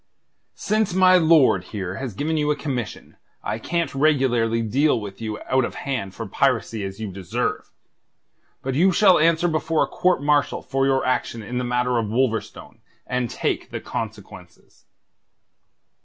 "Since my lord here has given you a commission, I can't regularly deal with you out of hand for piracy as you deserve. But you shall answer before a court martial for your action in the matter of Wolverstone, and take the consequences."